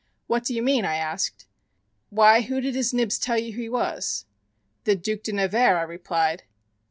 "What do you mean?" I asked. "Why, who did his nibs tell you he was?" "The Duc de Nevers," I replied.